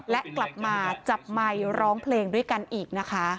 และกลับมาจับไมค์ร้องเพลงด้วยกันอีกนะคะ